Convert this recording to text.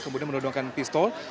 kemudian mendudungkan pistol